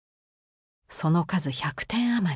その数１００点余り。